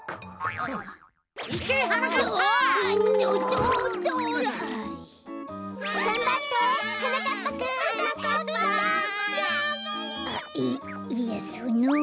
あっえっいやその。